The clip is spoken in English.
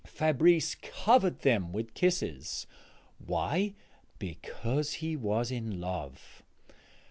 Fabrice covered them with kisses. Why? Because he was in love.